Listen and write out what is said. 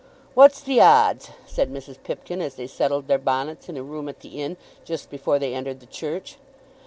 "What's the odds?" said Mrs. Pipkin as they settled their bonnets in a room at the Inn just before they entered the church.